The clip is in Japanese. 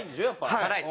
はい。